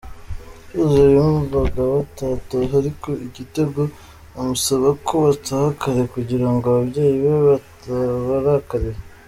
Cyuzuzo yumvaga batataha ariko Igitego amusaba ko bataha kare kugira ngo ababyeyi be batabarakarira.